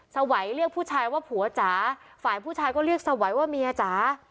สวัยเรียกผู้ชายว่าผัวจ๋าฝ่ายผู้ชายก็เรียกสวัยว่าเมียจ๋า